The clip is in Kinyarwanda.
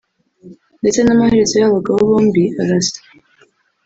ndetse n’amaherezo y’aba bagabo bombi arasa